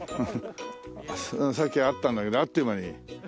さっきあったんだけどあっという間に。